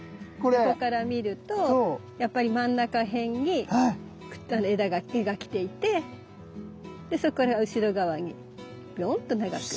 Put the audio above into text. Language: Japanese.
横から見るとやっぱり真ん中辺に柄が来ていてそこから後ろ側にビヨンと長く。